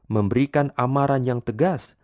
memberikan amaran yang tegas